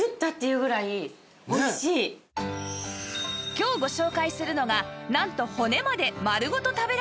今日ご紹介するのがなんと骨まで丸ごと食べられちゃう